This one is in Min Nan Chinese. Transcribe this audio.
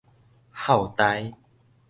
孝呆